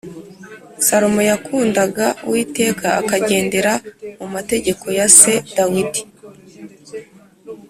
Salomo yakundaga Uwiteka akagendera mu mategeko ya se Dawidi